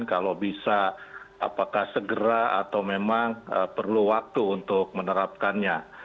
kalau bisa apakah segera atau memang perlu waktu untuk menerapkannya